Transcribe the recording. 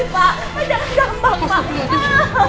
pak jangan jambah pak